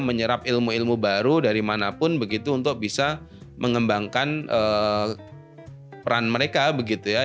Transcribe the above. menyerap ilmu ilmu baru dari manapun begitu untuk bisa mengembangkan peran mereka begitu ya